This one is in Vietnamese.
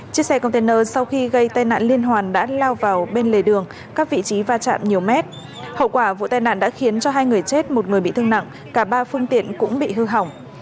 chiếc xe container sau khi gây tai nạn liên hoàn đã lao vào bên lề đường các vị trí va chạm nhiều mét hậu quả vụ tai nạn đã khiến cho hai người chết một người bị thương nặng cả ba phương tiện cũng bị hư hỏng